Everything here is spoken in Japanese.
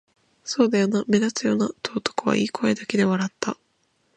「そうだよな、目立つよな」と男は言い、声だけで笑った